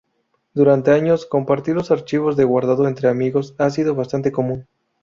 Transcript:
Durante años, compartir los archivos de guardado entre amigos ha sido bastante común.